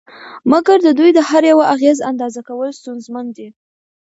مګر د دوی د هر یوه اغېز اندازه کول ستونزمن دي